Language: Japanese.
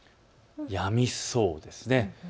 やみそうですね。